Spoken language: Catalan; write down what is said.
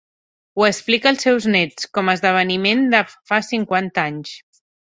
Ho explica als seus néts, com a esdeveniment de fa cinquanta anys.